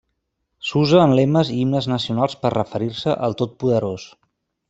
S'usa en lemes i himnes nacionals per referir-se al Totpoderós.